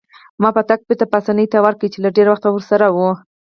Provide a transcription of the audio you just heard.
ما پتک بیرته پاسیني ته ورکړ چې له ډیر وخته ورسره وو.